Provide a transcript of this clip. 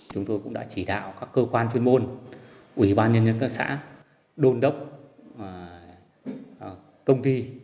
chúng tôi cũng đã chỉ đạo các cơ quan chuyên môn ủy ban nhân dân các xã đôn đốc công ty